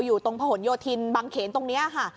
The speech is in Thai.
อยู่ตรงผนโยธินบางเขนตรงนี้ค่ะ